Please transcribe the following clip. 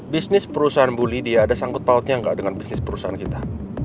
bisnis perusahaan bu lydia ada sangkut pautnya gak dengan bisnis perusahaan kita